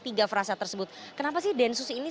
tiga frasa tersebut kenapa sih densus ini